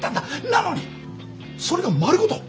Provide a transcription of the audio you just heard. なのにそれが丸ごと。